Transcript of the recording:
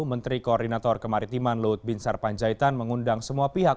menteri koordinator kemaritiman luhut bin sarpanjaitan mengundang semua pihak